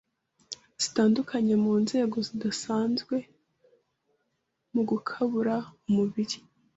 zitandukanye mu nzego zidasanzwe mu gukabura umubiri.